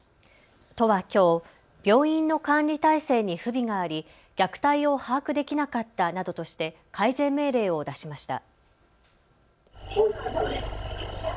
都はきょう、病院の管理体制に不備があり、虐待を把握できなかったなどとして改善命令を出しました。